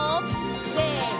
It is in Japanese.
せの！